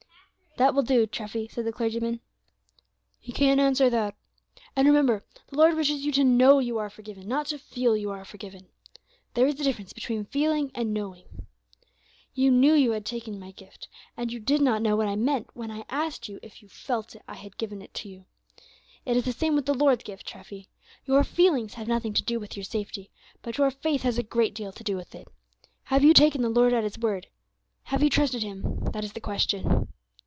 '" "That will do, Treffy," said the clergyman; "he can't answer that. And remember, the Lord wishes you to know you are forgiven, not to feel you are forgiven. There is a difference between feeling and knowing. You knew you had taken my gift, and you did not know what I meant when I asked you if you felt I had given it to you. It is the same with the Lord's gift, Treffy. Your feelings have nothing to do with your safety, but your faith has a great deal to do with it. Have you taken the Lord at His word? Have you trusted Him? That is the question."